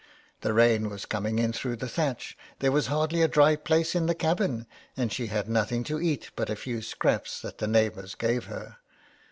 The rain was coming in through the thatch, there was hardly a dry place in the cabin, and she had nothing to eat but a few scraps that the neighbours gave her.